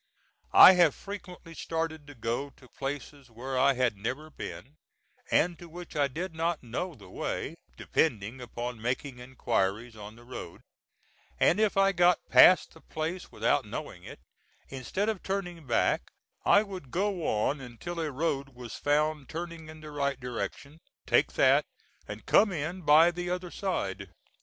I have frequently started to go to places where I had never been and to which I did not know the way, depending upon making inquiries on the road, and if I got past the place without knowing it, instead of turning back, I would go on until a road was found turning in the right direction, take that, and come in by the other side.